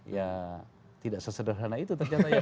ya tidak sesederhana itu